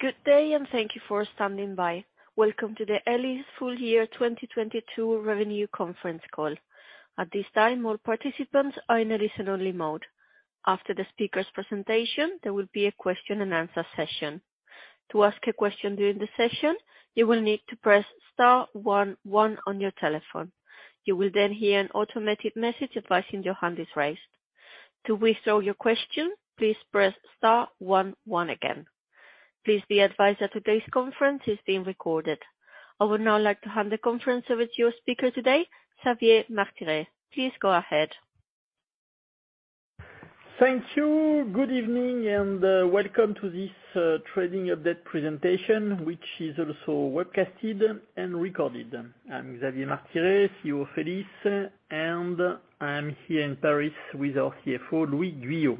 Good day. Thank you for standing by. Welcome to the Elis Full Year 2022 Revenue Conference Call. At this time, all participants are in a listen-only mode. After the speaker's presentation, there will be a question and answer session. To ask a question during the session, you will need to press star one one on your telephone. You will hear an automated message advising your hand is raised. To withdraw your question, please press star one one again. Please be advised that today's conference is being recorded. I would now like to hand the conference over to your speaker today, Xavier Martiré. Please go ahead. Thank you. Good evening and welcome to this trading update presentation, which is also webcasted and recorded. I'm Xavier Martiré, CEO of Elis, and I'm here in Paris with our CFO, Louis Guyot.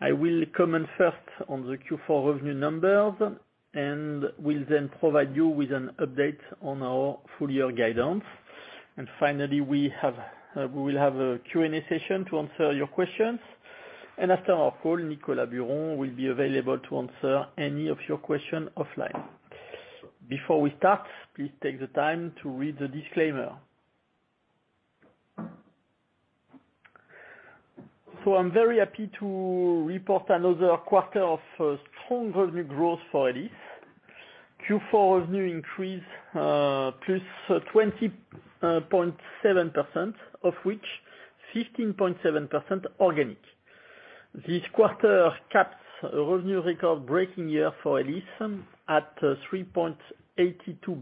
I will comment first on the Q4 revenue numbers, and we'll then provide you with an update on our full year guidance. Finally, we will have a Q&A session to answer your questions. After our call, Nicolas Buron will be available to answer any of your question offline. Before we start, please take the time to read the disclaimer. I'm very happy to report another quarter of strong revenue growth for Elis. Q4 revenue increased plus 20.7%, of which 15.7% organic. This quarter caps a revenue record-breaking year for Elis at 3.82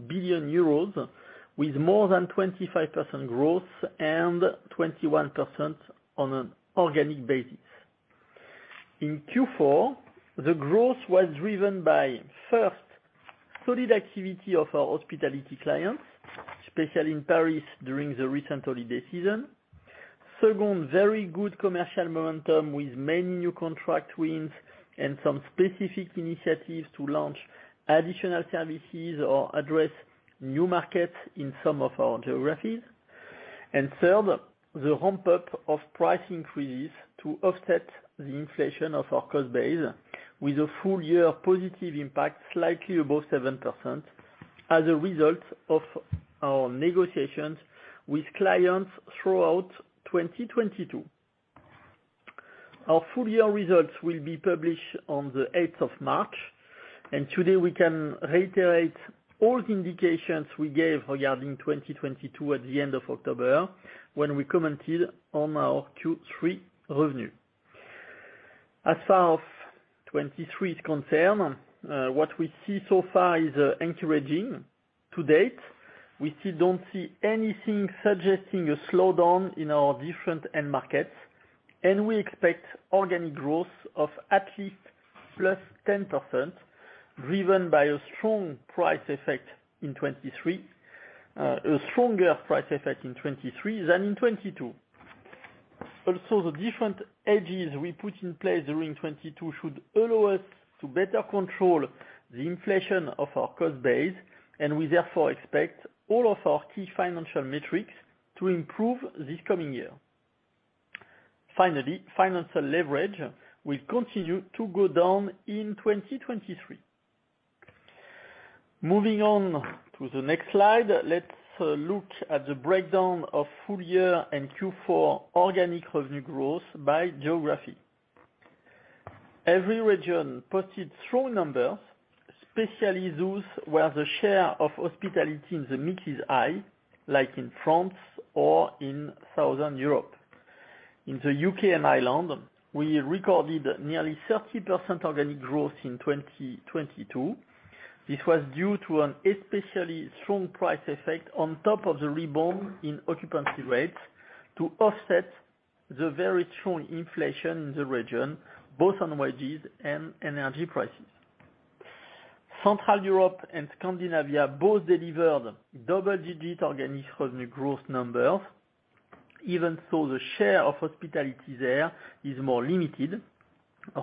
billion euros, with more than 25% growth and 21% on an organic basis. In Q4, the growth was driven by, first, solid activity of our hospitality clients, especially in Paris during the recent holiday season. Second, very good commercial momentum with many new contract wins and some specific initiatives to launch additional services or address new markets in some of our geographies. Third, the ramp up of price increases to offset the inflation of our cost base with a full year positive impact slightly above 7% as a result of our negotiations with clients throughout 2022. Our full year results will be published on the 8th of March. Today we can reiterate all the indications we gave regarding 2022 at the end of October, when we commented on our Q3 revenue. As far as 2023 is concerned, what we see so far is encouraging to date. We still don't see anything suggesting a slowdown in our different end markets, and we expect organic growth of at least +10%, driven by a strong price effect in 2023. A stronger price effect in 2023 than in 2022. Also, the different edges we put in place during 2022 should allow us to better control the inflation of our cost base, and we therefore expect all of our key financial metrics to improve this coming year. Finally, financial leverage will continue to go down in 2023. Moving on to the next slide, let's look at the breakdown of full year and Q4 organic revenue growth by geography. Every region posted strong numbers, especially those where the share of hospitality in the mix is high, like in France or in Southern Europe. In the U.K. and Ireland, we recorded nearly 30% organic growth in 2022. This was due to an especially strong price effect on top of the rebound in occupancy rates to offset the very strong inflation in the region, both on wages and energy prices. Central Europe and Scandinavia both delivered double-digit organic revenue growth numbers, even though the share of hospitality there is more limited,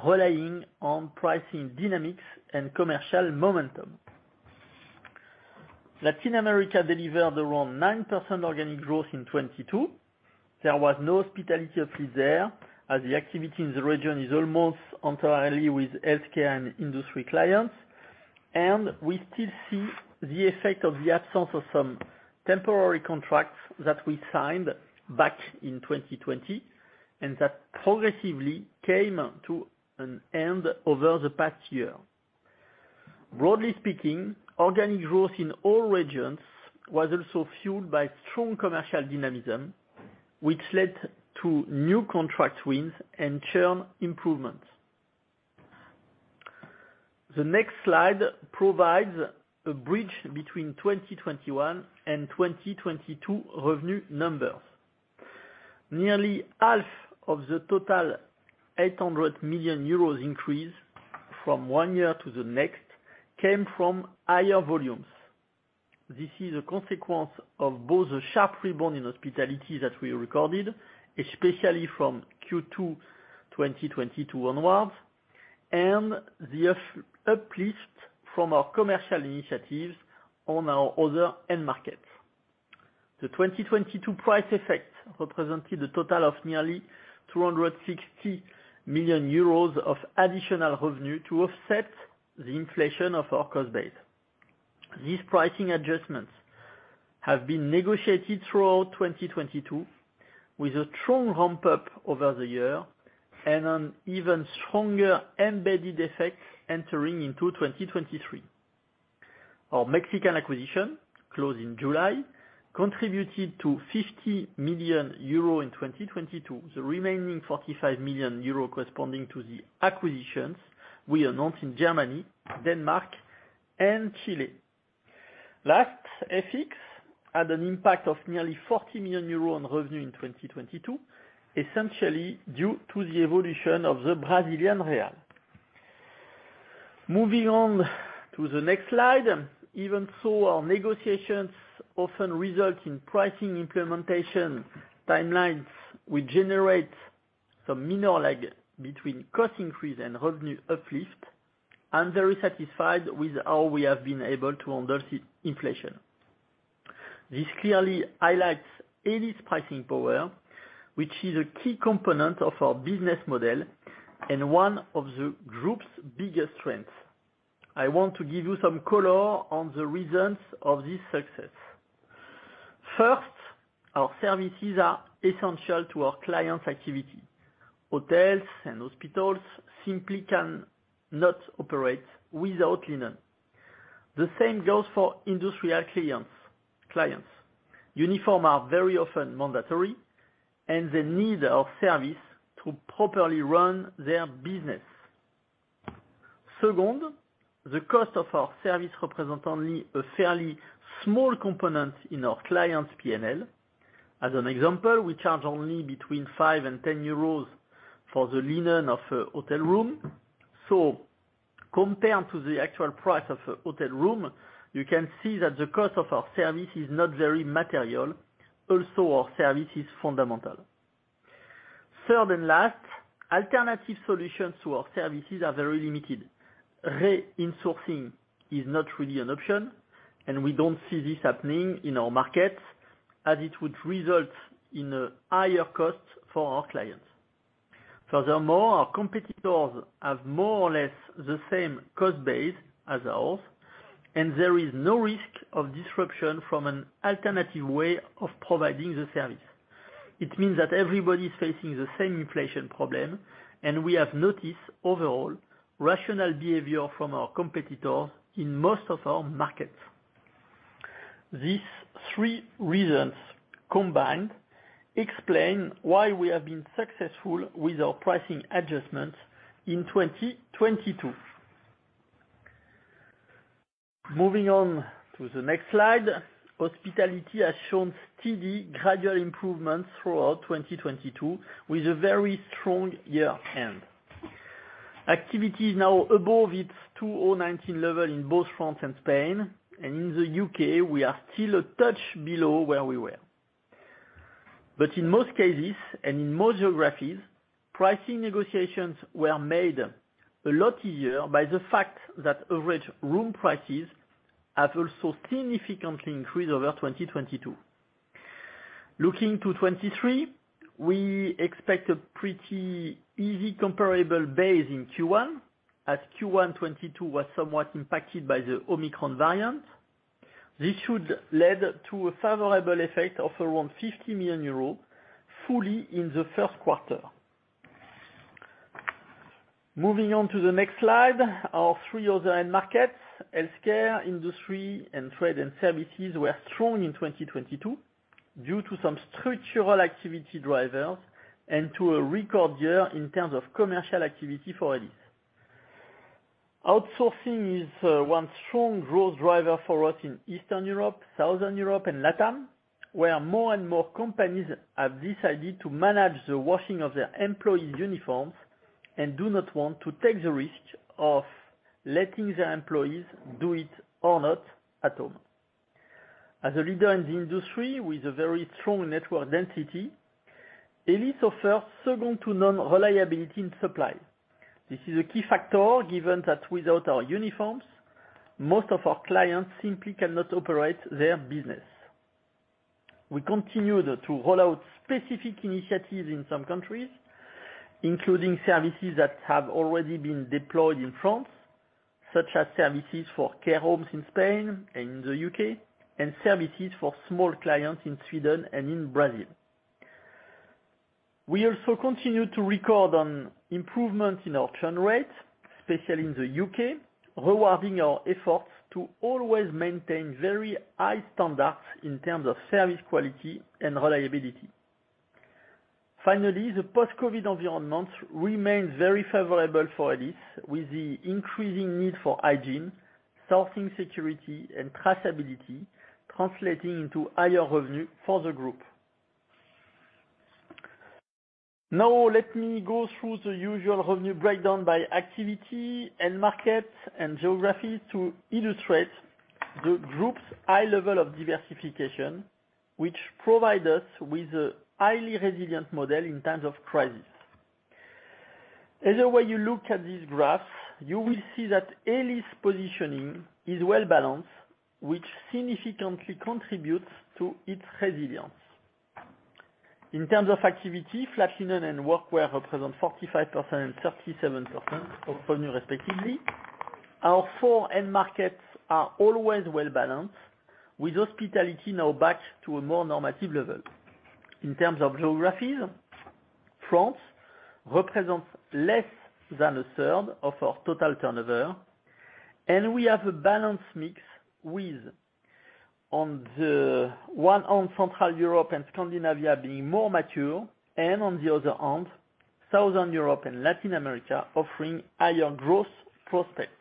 relying on pricing dynamics and commercial momentum. Latin America delivered around 9% organic growth in 2022. There was no hospitality uplift there, as the activity in the region is almost entirely with healthcare and industry clients. We still see the effect of the absence of some temporary contracts that we signed back in 2020, and that progressively came to an end over the past year. Broadly speaking, organic growth in all regions was also fueled by strong commercial dynamism, which led to new contract wins and churn improvements. The next slide provides a bridge between 2021 and 2022 revenue numbers. Nearly half of the total 800 million euros increase from one year to the next came from higher volumes. This is a consequence of both the sharp rebound in hospitality that we recorded, especially from Q2 2022 onwards, and the uplift from our commercial initiatives on our other end markets. The 2022 price effect represented a total of nearly 260 million euros of additional revenue to offset the inflation of our cost base. These pricing adjustments have been negotiated throughout 2022, with a strong ramp-up over the year and an even stronger embedded effect entering into 2023. Our Mexican acquisition, closed in July, contributed to 50 million euro in 2022, the remaining 45 million euro corresponding to the acquisitions we announced in Germany, Denmark and Chile. FX had an impact of nearly 40 million euros on revenue in 2022, essentially due to the evolution of the Brazilian real. Moving on to the next slide, our negotiations often result in pricing implementation timelines. We generate some minor lag between cost increase and revenue uplift. I'm very satisfied with how we have been able to undo inflation. This clearly highlights Elis' pricing power, which is a key component of our business model and one of the group's biggest strengths. I want to give you some color on the reasons of this success. First, our services are essential to our clients' activity. Hotels and hospitals simply cannot operate without linen. The same goes for industrial clients. Uniforms are very often mandatory, they need our service to properly run their business. Second, the cost of our service represents only a fairly small component in our client's PNL. As an example, we charge only between 5 and 10 euros for the linen of a hotel room. Compared to the actual price of a hotel room, you can see that the cost of our service is not very material. Also, our service is fundamental. Third and last, alternative solutions to our services are very limited. Re-insourcing is not really an option, we don't see this happening in our markets, as it would result in a higher cost for our clients. Furthermore, our competitors have more or less the same cost base as ours, and there is no risk of disruption from an alternative way of providing the service. It means that everybody is facing the same inflation problem, and we have noticed overall rational behavior from our competitors in most of our markets. These three reasons combined explain why we have been successful with our pricing adjustments in 2022. Moving on to the next slide. Hospitality has shown steady gradual improvements throughout 2022 with a very strong year end. Activity is now above its 2019 level in both France and Spain, and in the U.K. we are still a touch below where we were. In most cases and in most geographies, pricing negotiations were made a lot easier by the fact that average room prices have also significantly increased over 2022. Looking to 2023, we expect a pretty easy comparable base in Q1, as Q1 2022 was somewhat impacted by the Omicron variant. This should lead to a favorable effect of around 50 million euros fully in the first quarter. Moving on to the next slide. Our three other end markets, healthcare, industry, and trade and services, were strong in 2022 due to some structural activity drivers and to a record year in terms of commercial activity for Elis. Outsourcing is one strong growth driver for us in Eastern Europe, Southern Europe and LATAM, where more and more companies have decided to manage the washing of their employees' uniforms and do not want to take the risk of letting their employees do it or not at home. As a leader in the industry with a very strong network density, Elis offers second-to-none reliability in supply. This is a key factor given that without our uniforms, most of our clients simply cannot operate their business. We continue to roll out specific initiatives in some countries, including services that have already been deployed in France, such as services for care homes in Spain and the U.K., and services for small clients in Sweden and in Brazil. We also continue to record an improvement in our churn rates, especially in the U.K., rewarding our efforts to always maintain very high standards in terms of service quality and reliability. Finally, the post-COVID environment remains very favorable for Elis, with the increasing need for hygiene, sourcing security and traceability translating into higher revenue for the group. Let me go through the usual revenue breakdown by activity, end market, and geography to illustrate the group's high level of diversification, which provide us with a highly resilient model in times of crisis. Either way you look at this graph, you will see that Elis positioning is well balanced, which significantly contributes to its resilience. In terms of activity, flat linen and workwear represent 45% and 37% of volume respectively. Our four end markets are always well balanced, with hospitality now back to a more normative level. In terms of geographies, France represents less than a third of our total turnover, and we have a balanced mix with on the one hand Central Europe and Scandinavia being more mature and on the other hand, Southern Europe and Latin America offering higher growth prospects.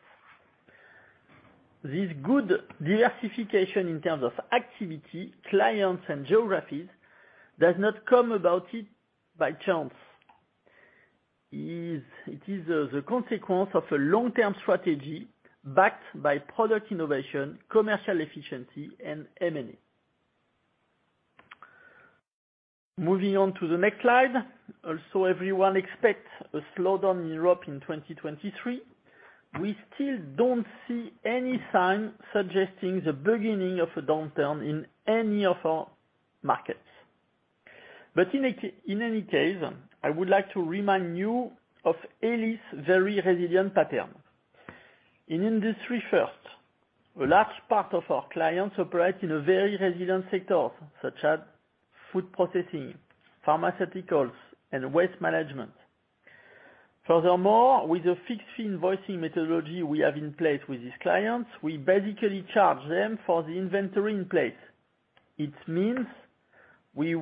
This good diversification in terms of activity, clients and geographies does not come about it by chance. It is the consequence of a long-term strategy backed by product innovation, commercial efficiency and M&A. Moving on to the next slide. Everyone expects a slowdown in Europe in 2023. We still don't see any sign suggesting the beginning of a downturn in any of our markets. In any case, I would like to remind you of Elis very resilient pattern. In industry first, a large part of our clients operate in a very resilient sectors such as food processing, pharmaceuticals and waste management. Furthermore, with a fixed fee invoicing methodology we have in place with these clients, we basically charge them for the inventory in place. It means we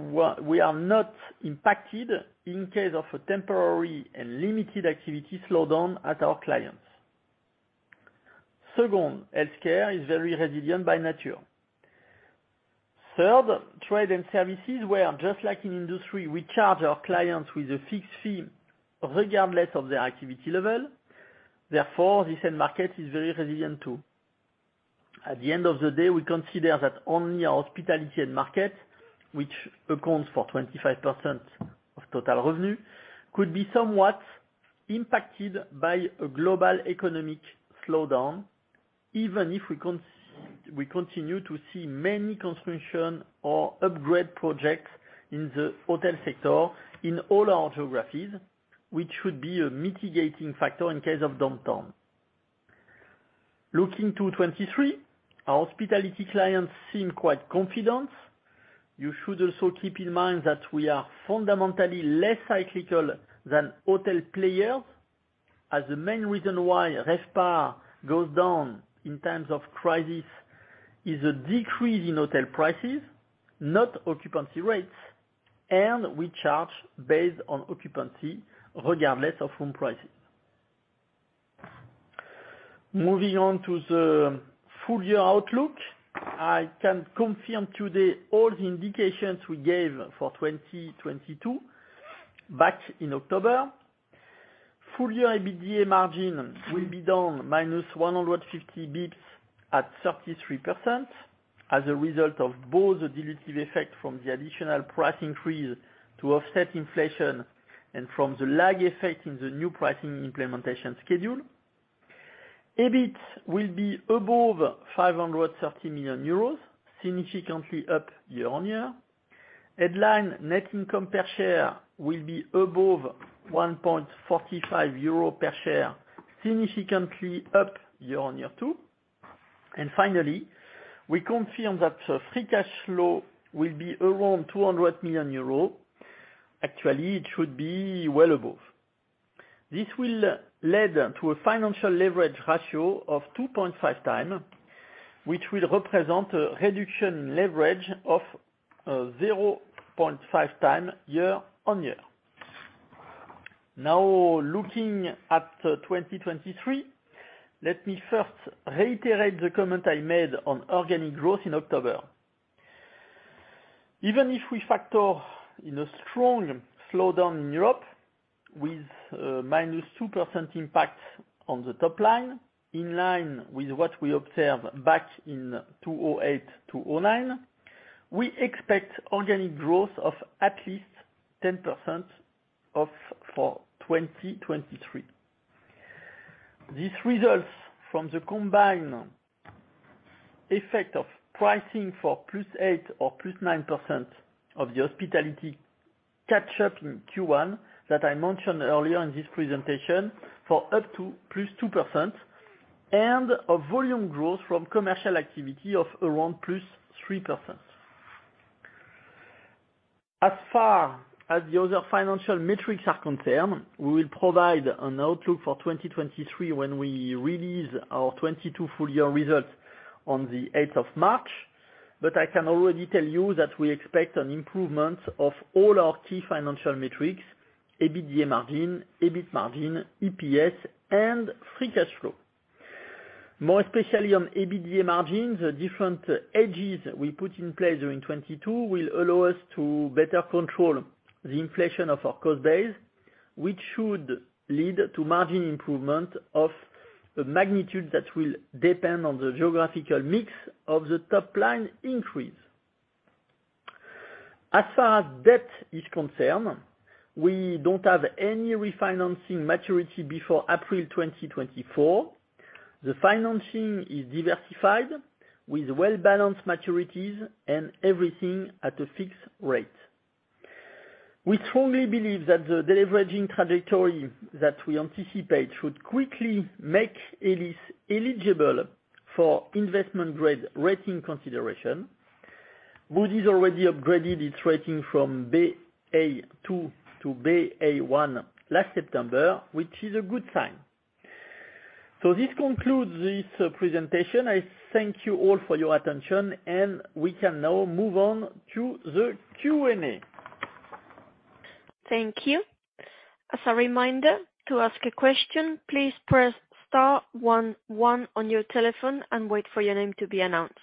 are not impacted in case of a temporary and limited activity slowdown at our clients. Second, healthcare is very resilient by nature. Third, trade and services, where, just like in industry, we charge our clients with a fixed fee regardless of their activity level. Therefore, this end market is very resilient too. At the end of the day, we consider that only our hospitality end market, which accounts for 25% of total revenue, could be somewhat impacted by a global economic slowdown, even if we continue to see many construction or upgrade projects in the hotel sector in all our geographies, which should be a mitigating factor in case of downtown. Looking to 2023, our hospitality clients seem quite confident. You should also keep in mind that we are fundamentally less cyclical than hotel players, as the main reason why RevPAR goes down in times of crisis is a decrease in hotel prices, not occupancy rates, and we charge based on occupancy regardless of room prices. Moving on to the full year outlook, I can confirm today all the indications we gave for 2022 back in October. Full year EBITDA margin will be down -150 bps at 33% as a result of both the dilutive effect from the additional price increase to offset inflation and from the lag effect in the new pricing implementation schedule. EBIT will be above 530 million euros, significantly up year-on-year. Headline net income per share will be above 1.45 euro per share, significantly up year-on-year too. Finally, we confirm that free cash flow will be around 200 million euros. Actually, it should be well above. This will lead to a financial leverage ratio of 2.5x, which will represent a reduction leverage of 0.5x year-on-year. Now, looking at 2023, let me first reiterate the comment I made on organic growth in October. Even if we factor in a strong slowdown in Europe with -2% impact on the top line, in line with what we observed back in 2008-2009, we expect organic growth of at least 10% for 2023. This results from the combined effect of pricing for +8% or +9% of the hospitality catch-up in Q1 that I mentioned earlier in this presentation for up to +2% and a volume growth from commercial activity of around +3%. As far as the other financial metrics are concerned, we will provide an outlook for 2023 when we release our 2022 full year results on the 8th of March. I can already tell you that we expect an improvement of all our key financial metrics, EBITDA margin, EBIT margin, EPS and free cash flow. More especially on EBITDA margin, the different hedges we put in place during 2022 will allow us to better control the inflation of our cost base, which should lead to margin improvement of a magnitude that will depend on the geographical mix of the top line increase. As far as debt is concerned, we don't have any refinancing maturity before April 2024. The financing is diversified with well-balanced maturities and everything at a fixed rate. We strongly believe that the deleveraging trajectory that we anticipate should quickly make Elis eligible for investment grade rating consideration. Moody's already upgraded its rating from BA2 to BA1 last September, which is a good sign. This concludes this presentation. I thank you all for your attention, and we can now move on to the Q&A. Thank you. As a reminder, to ask a question, please press star one one on your telephone and wait for your name to be announced.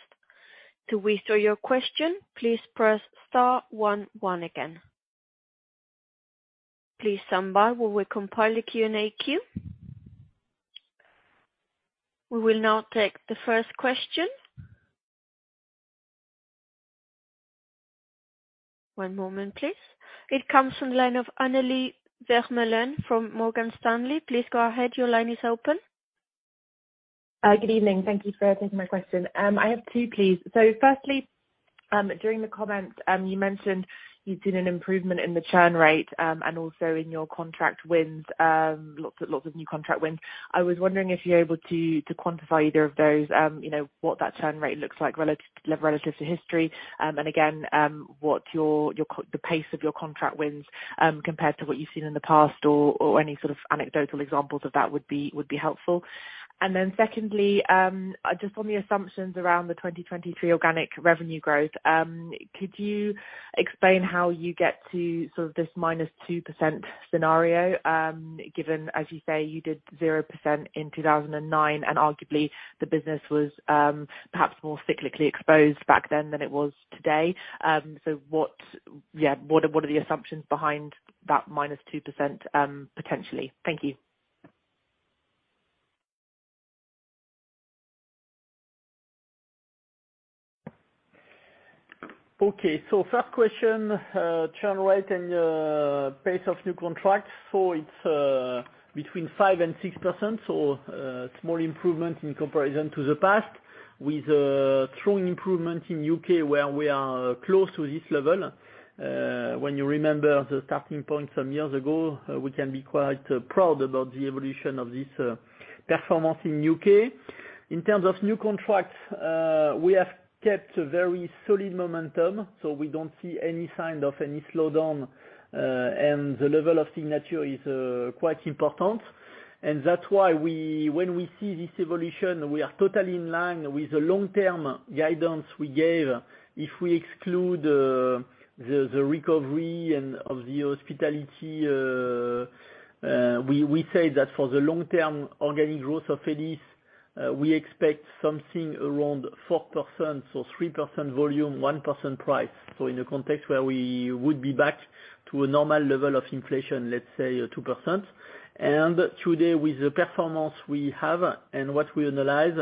To withdraw your question, please press star one one again. Please stand by while we compile a Q&A queue. We will now take the first question. One moment, please. It comes from the line of Annelies Vermeulen from Morgan Stanley. Please go ahead. Your line is open. Good evening. Thank you for taking my question. I have two, please. Firstly, during the comments, you mentioned you'd seen an improvement in the churn rate, and also in your contract wins, lots and lots of new contract wins. I was wondering if you're able to quantify either of those, you know, what that churn rate looks like relative to history. Again, what the pace of your contract wins, compared to what you've seen in the past or any sort of anecdotal examples of that would be helpful. Secondly, just on the assumptions around the 2023 organic revenue growth, could you explain how you get to sort of this -2% scenario, given, as you say, you did 0% in 2009 and arguably the business was perhaps more cyclically exposed back then than it was today. What are, what are the assumptions behind that -2%, potentially? Thank you. Okay. First question, churn rate and pace of new contracts. It's between 5% and 6%, a small improvement in comparison to the past with strong improvement in U.K., where we are close to this level. When you remember the starting point some years ago, we can be quite proud about the evolution of this performance in U.K. In terms of new contracts, we have kept a very solid momentum, so we don't see any sign of any slowdown, and the level of signature is quite important. That's why when we see this evolution, we are totally in line with the long-term guidance we gave. If we exclude the recovery and of the hospitality, we say that for the long-term organic growth of Elis, we expect something around 4%. 3% volume, 1% price. In a context where we would be back to a normal level of inflation, let's say 2%. Today, with the performance we have and what we analyze,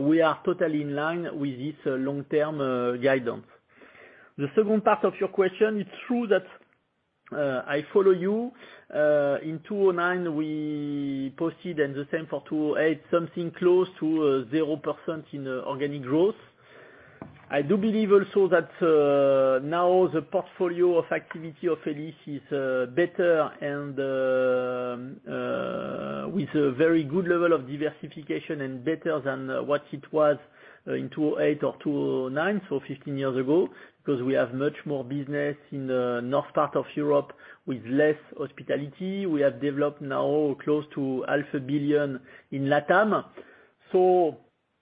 we are totally in line with this long-term guidance. The second part of your question, it's true that, I follow you. In 2009, we posted, and the same for 2008, something close to 0% in organic growth. I do believe also that now the portfolio of activity of Elis is better and with a very good level of diversification and better than what it was in 2008 or 2009, so 15 years ago, 'cause we have much more business in the north part of Europe with less hospitality. We have developed now close to EUR half a billion in LatAm.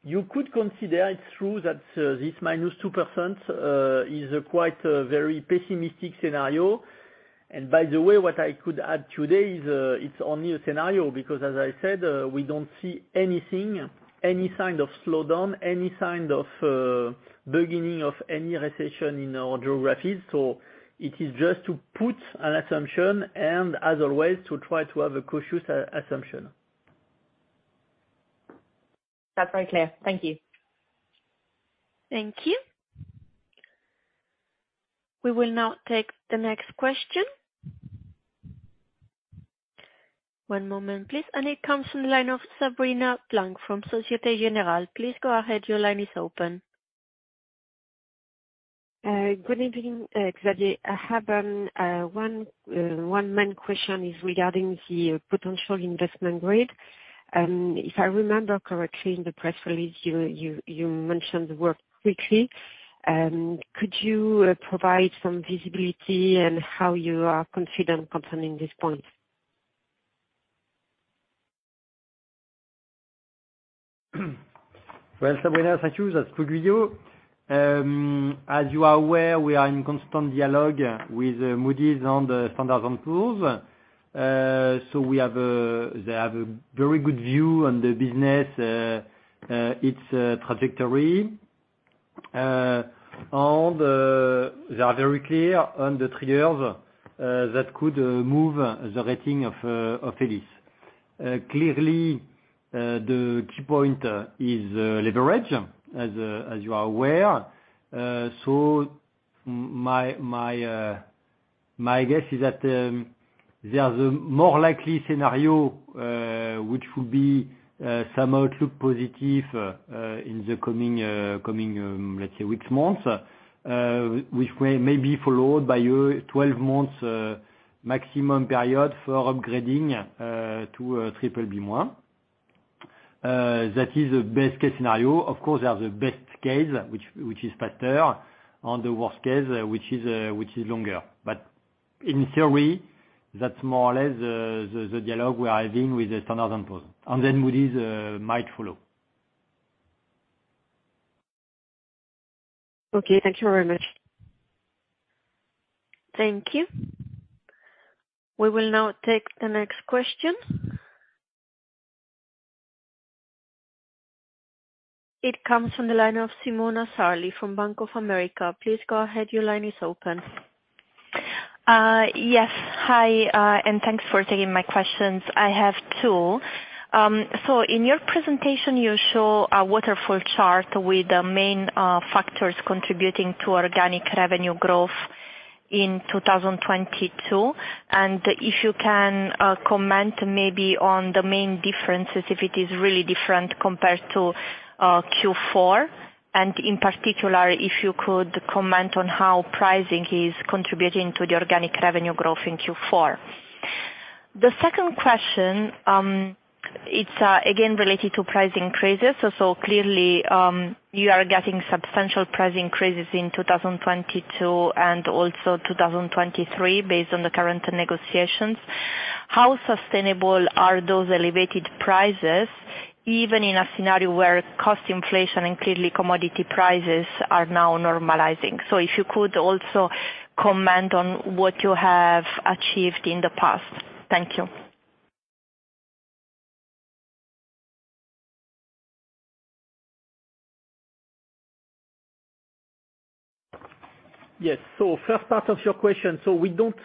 You could consider it's true that this -2% is quite a very pessimistic scenario. By the way, what I could add today is it's only a scenario because as I said, we don't see anything, any sign of slowdown, any sign of beginning of any recession in our geographies. It is just to put an assumption and as always, to try to have a cautious assumption. That's very clear. Thank you. Thank you. We will now take the next question. One moment, please. It comes from the line of Sabrina Blanc from Societe Generale. Please go ahead. Your line is open. Good evening, Xavier. I have one main question regarding the potential investment grade. If I remember correctly in the press release, you mentioned the word quickly. Could you provide some visibility on how you are confident concerning this point? Well, Sabrina, thank you. That's good with you. As you are aware, we are in constant dialogue with Moody's and Standard & Poor's. They have a very good view on the business, its trajectory. They are very clear on the triggers that could move the rating of Elis. Clearly, the key point is leverage, as you are aware. My guess is that there's a more likely scenario which will be somehow to positive in the coming six months, which may be followed by a 12 months maximum period for upgrading to a BBB-. That is the best case scenario. Of course, there's a best case which is faster, and the worst case which is longer. In theory, that's more or less the dialogue we are having with Standard & Poor's, and then Moody's might follow. Okay, thank you very much. Thank you. We will now take the next question. It comes from the line of Simona Sarli from Bank of America. Please go ahead, your line is open. Yes. Hi, thanks for taking my questions. I have two. In your presentation, you show a waterfall chart with the main factors contributing to organic revenue growth in 2022. If you can comment maybe on the main differences, if it is really different compared to Q4. In particular, if you could comment on how pricing is contributing to the organic revenue growth in Q4. The second question, it's again, related to price increases. Clearly, you are getting substantial price increases in 2022 and also 2023 based on the current negotiations. How sustainable are those elevated prices even in a scenario where cost inflation and clearly commodity prices are now normalizing? If you could also comment on what you have achieved in the past. Thank you. Yes. First part of your question, we don't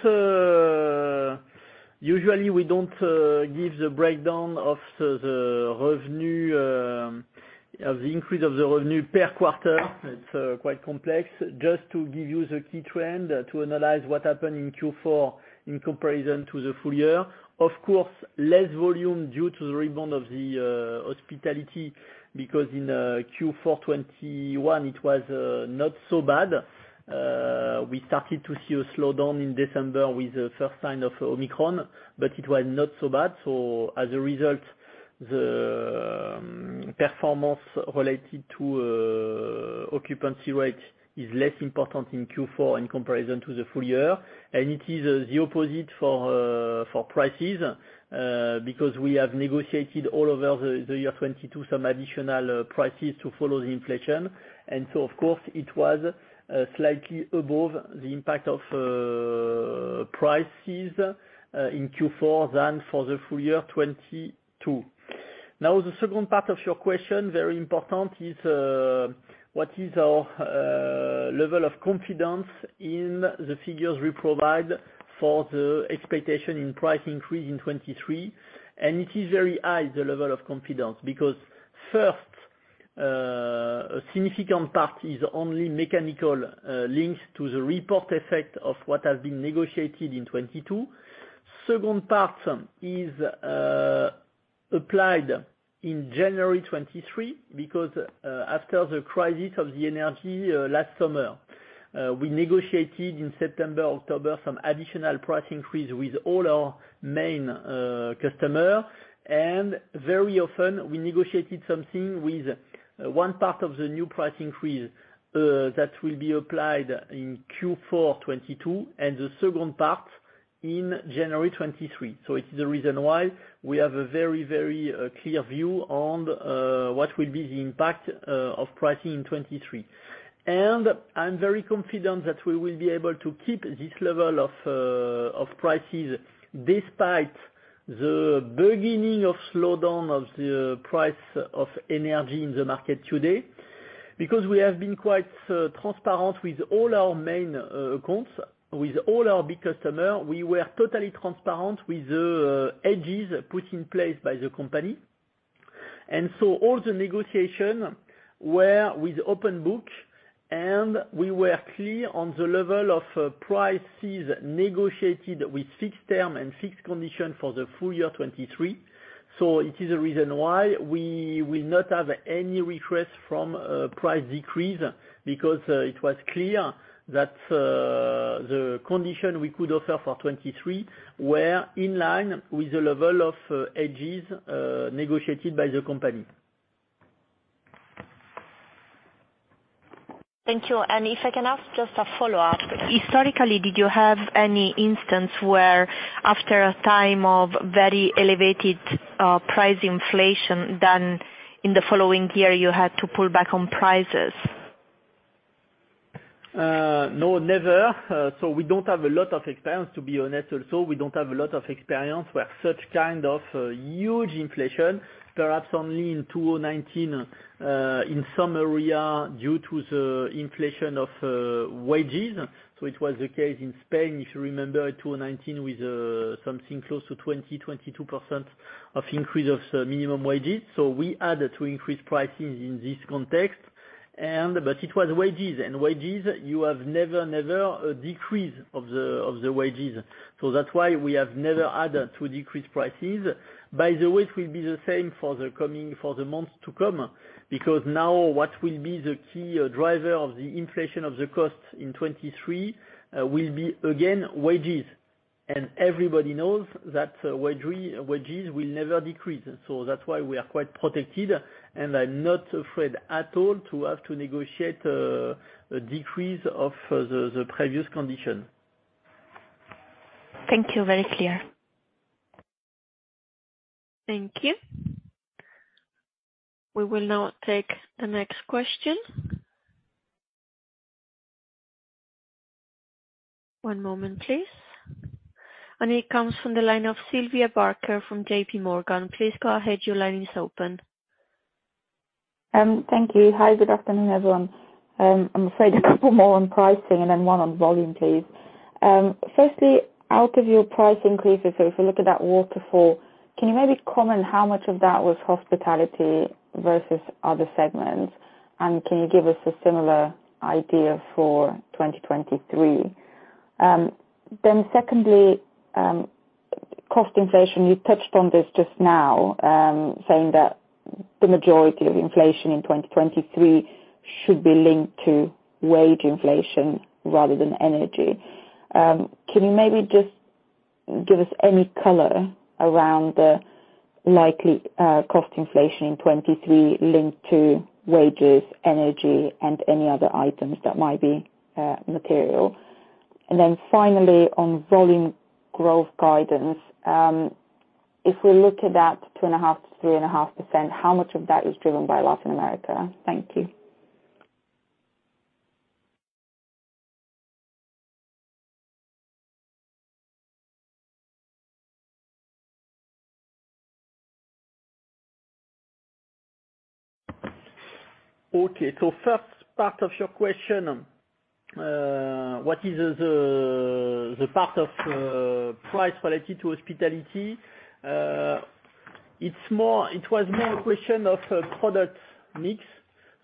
usually give the breakdown of the revenue of the increase of the revenue per quarter. It's quite complex. Just to give you the key trend to analyze what happened in Q4 in comparison to the full year, of course, less volume due to the rebound of the hospitality, because in Q4 2021 it was not so bad. We started to see a slowdown in December with the first sign of Omicron. It was not so bad. As a result, the performance related to occupancy rate is less important in Q4 in comparison to the full year. It is the opposite for prices because we have negotiated all over the year 2022 some additional prices to follow the inflation. Of course it was slightly above the impact of prices in Q4 than for the full year 2022. The second part of your question, very important, is what is our level of confidence in the figures we provide for the expectation in price increase in 2023? It is very high, the level of confidence. First, a significant part is only mechanical links to the report effect of what has been negotiated in 2022. Second part is applied in January 2023, because after the crisis of the energy last summer, we negotiated in September, October some additional price increase with all our main customers. Very often we negotiated something with one part of the new price increase that will be applied in Q4 2022 and the second part in January 2023. It is the reason why we have a very, very clear view on what will be the impact of pricing in 2023. I'm very confident that we will be able to keep this level of prices despite the beginning of slowdown of the price of energy in the market today. We have been quite transparent with all our main accounts, with all our big customer, we were totally transparent with the hedges put in place by the company. All the negotiation were with open book, and we were clear on the level of prices negotiated with fixed term and fixed condition for the full year 2023. It is the reason why we will not have any request from price decrease, because it was clear that the condition we could offer for 2023 were in line with the level of hedges negotiated by the company. Thank you. If I can ask just a follow-up. Historically, did you have any instance where after a time of very elevated, price inflation, then in the following year you had to pull back on prices? No, never. We don't have a lot of experience, to be honest. Also, we don't have a lot of experience where such kind of huge inflation, perhaps only in 2019 in some area due to the inflation of wages. It was the case in Spain, if you remember 2019 with something close to 20%-22% of increase of minimum wages. We had to increase prices in this context and but it was wages. Wages, you have never a decrease of the wages. That's why we have never had to decrease prices. By the way, it will be the same for the months to come. Now what will be the key driver of the inflation of the costs in 2023 will be again, wages. Everybody knows that wage re-wages will never decrease. That's why we are quite protected, and I'm not afraid at all to have to negotiate, a decrease of, the previous condition. Thank you. Very clear. Thank you. We will now take the next question. One moment, please. It comes from the line of Sylvia Barker from JPMorgan. Please go ahead. Your line is open. Thank you. Hi, good afternoon, everyone. I'm afraid a couple more on pricing and then one on volume, please. Firstly, out of your price increases, so if you look at that waterfall, can you maybe comment how much of that was hospitality versus other segments? Can you give us a similar idea for 2023? Then secondly, cost inflation. You touched on this just now, saying that the majority of inflation in 2023 should be linked to wage inflation rather than energy. Can you maybe just give us any color around the likely cost inflation in 2023 linked to wages, energy and any other items that might be material? Finally, on volume growth guidance, if we look at that 2.5%-3.5%, how much of that is driven by Latin America? Thank you. Okay. First part of your question, what is the part of price related to hospitality? It was more a question of product mix.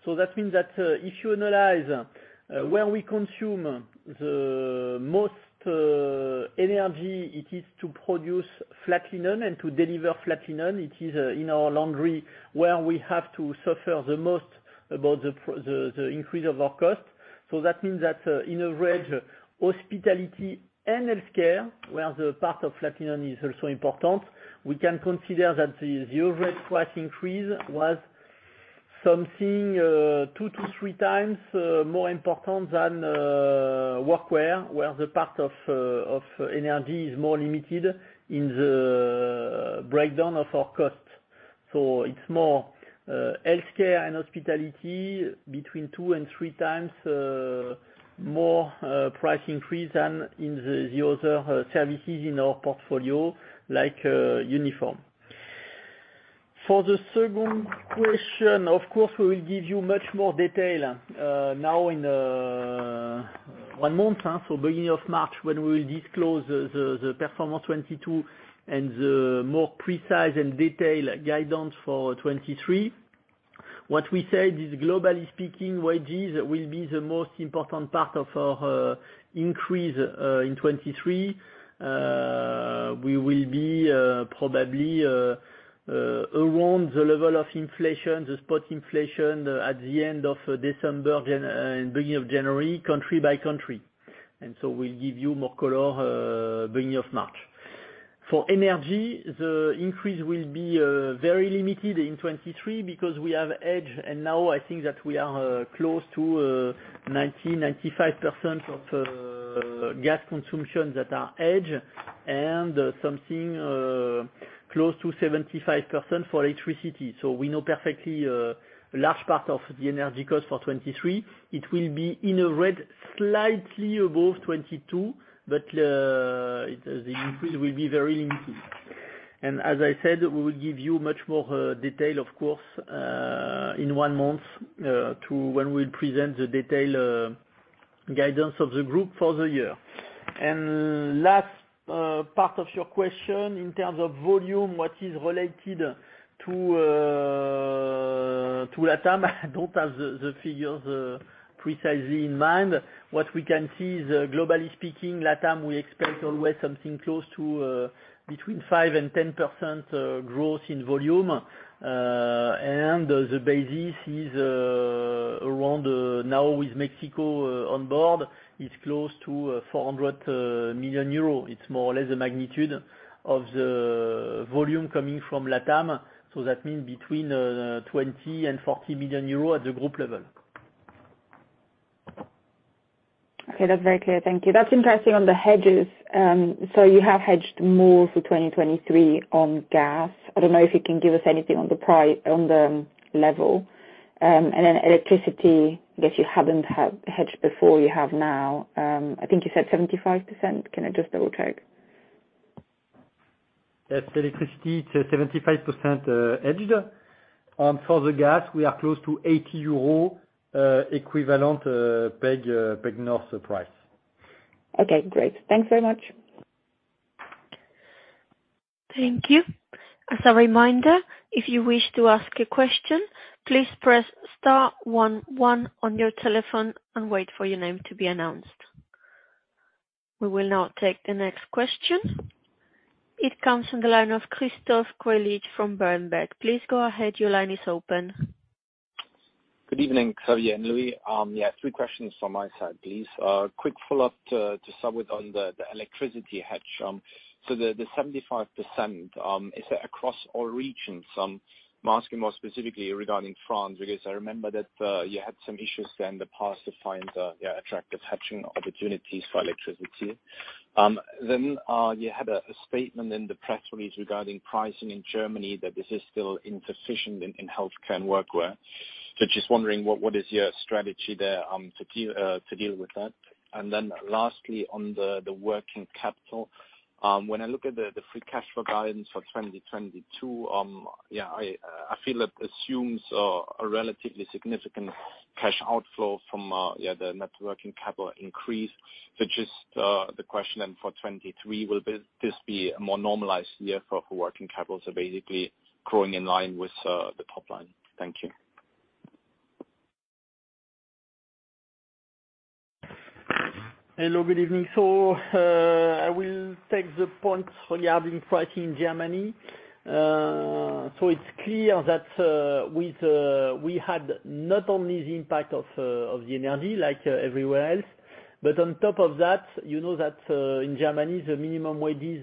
That means that if you analyze where we consume the most energy, it is to produce flat linen and to deliver flat linen. It is in our laundry where we have to suffer the most about the increase of our cost. That means that in a way, the hospitality and healthcare, where the part of flat linen is also important, we can consider that the overall price increase was something 2 to 3 times more important than workwear, where the part of energy is more limited in the breakdown of our costs. It's more healthcare and hospitality between 2 and 3 times more price increase than in the other services in our portfolio, like uniform. For the second question, of course, we will give you much more detail now in one month, so beginning of March, when we will disclose the performance 2022 and the more precise and detailed guidance for 2023. What we said is, globally speaking, wages will be the most important part of our increase in 2023. We will be probably around the level of inflation, the spot inflation at the end of December and beginning of January, country by country. We'll give you more color beginning of March. For energy, the increase will be very limited in 2023 because we have hedged. Now I think that we are close to 90%-95% of gas consumption that are hedged and something close to 75% for electricity. We know perfectly a large part of the energy cost for 2023. It will be in the red, slightly above 2022, but the increase will be very limited. As I said, we will give you much more detail of course, in one month, to when we'll present the detail guidance of the group for the year. Last part of your question in terms of volume, what is related to LATAM, I don't have the figures precisely in mind. What we can see is, globally speaking, LATAM, we expect always something close to between 5% and 10% growth in volume. The basis is, around, now with Mexico, on board, it's close to 400 million euros. It's more or less the magnitude of the volume coming from LATAM. That means between 20 million and 40 million euros at the group level. Okay. That's very clear. Thank you. That's interesting on the hedges. You have hedged more for 2023 on gas. I don't know if you can give us anything on the level. Electricity, I guess you haven't had hedged before, you have now, I think you said 75%. Can I just double check? Yes. The electricity to 75% hedged. For the gas, we are close to 80 euro equivalent PEG Nord price. Okay, great. Thanks very much. Thank you. As a reminder, if you wish to ask a question, please press star one one on your telephone and wait for your name to be announced. We will now take the next question. It comes from the line of Christoph Greulich from Berenberg. Please go ahead. Your line is open. Good evening, Xavier and Louis. Yeah, three questions from my side, please. Quick follow-up to start with on the electricity hedge. The 75%, is that across all regions? I'm asking more specifically regarding France, because I remember that, you had some issues there in the past to find, yeah, attractive hedging opportunities for electricity. You had a statement in the press release regarding pricing in Germany, that this is still insufficient in healthcare and workwear. Just wondering what is your strategy there, to deal with that? Lastly, on the working capital, when I look at the free cash flow guidance for 2022, I feel it assumes a relatively significant cash outflow from the net working capital increase. Just the question then for 2023, will this be a more normalized year for working capital, so basically growing in line with the top line? Thank you. Hello, good evening. I will take the point regarding pricing in Germany. It's clear that with we had not only the impact of the energy like everywhere else, but on top of that, you know that in Germany, the minimum wages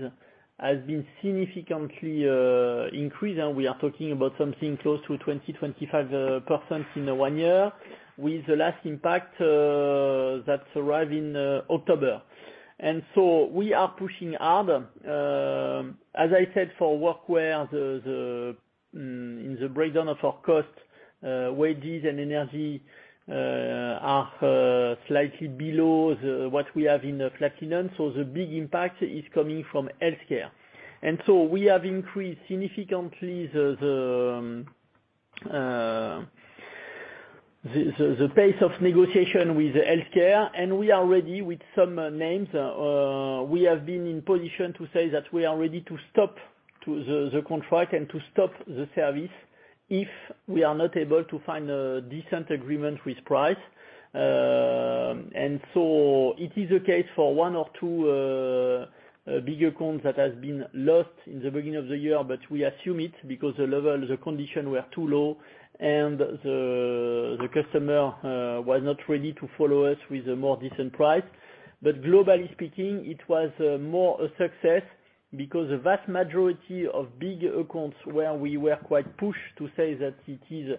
has been significantly increased, and we are talking about something close to 20%-25% in the one year with the last impact that arrived in October. We are pushing hard. As I said, for workwear, the breakdown of our cost, wages and energy, are slightly below the, what we have in the flat linen. The big impact is coming from healthcare. We have increased significantly the pace of negotiation with the healthcare, and we are ready with some names. We have been in position to say that we are ready to stop the contract and to stop the service if we are not able to find a decent agreement with price. It is the case for one or two bigger accounts that has been lost in the beginning of the year, but we assume it because the level, the condition were too low and the customer was not ready to follow us with a more decent price. Globally speaking, it was more a success because the vast majority of big accounts where we were quite pushed to say that it is,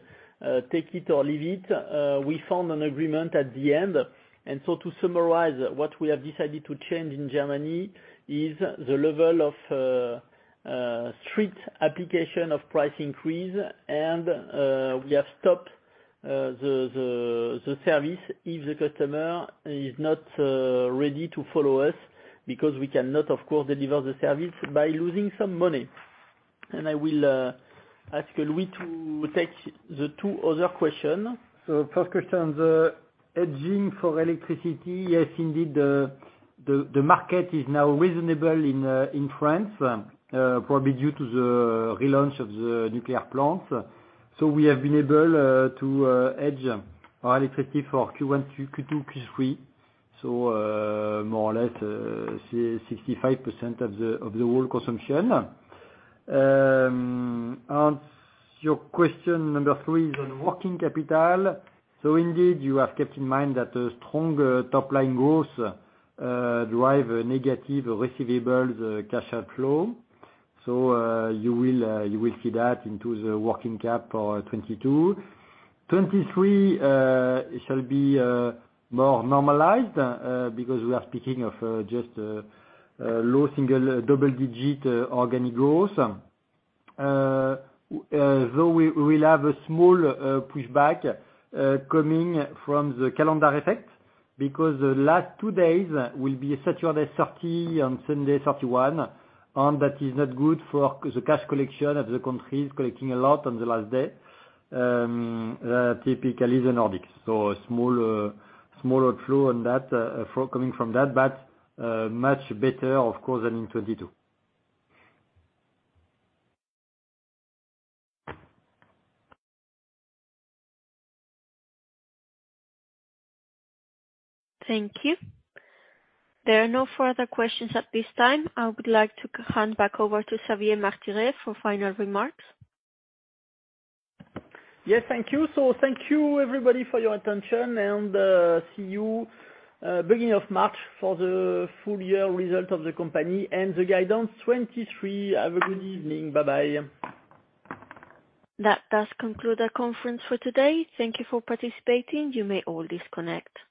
take it or leave it, we found an agreement at the end. To summarize, what we have decided to change in Germany is the level of strict application of price increase. We have stopped the service if the customer is not ready to follow us because we cannot, of course, deliver the service by losing some money. I will ask Louis to take the two other question. First question, the hedging for electricity. Yes, indeed, the market is now reasonable in France, probably due to the relaunch of the nuclear plant. We have been able to hedge our electricity for Q1 to Q2, Q3. More or less, 65% of the whole consumption. Your question number three is on working capital. Indeed, you have kept in mind that a strong top line growth drive a negative receivables cash outflow. You will see that into the working cap for 2022. 2023, it shall be more normalized because we are speaking of just a low single double-digit organic growth. Though we'll have a small pushback coming from the calendar effect because the last two days will be Saturday 30 on Sunday 31, and that is not good for the cash collection of the countries collecting a lot on the last day. Typically the Nordics. A small smaller flow on that flow coming from that, but much better of course than in 2022. Thank you. There are no further questions at this time. I would like to hand back over to Xavier Martiré for final remarks. Yes, thank you. Thank you everybody for your attention and see you beginning of March for the full year result of the company and the guidance 2023. Have a good evening. Bye-bye. That does conclude our conference for today. Thank you for participating. You may all disconnect.